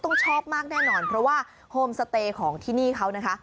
ต้องชอบมากแน่นอนเพราะว่าโฮมสเตย์ของที่นี่เขานะคะ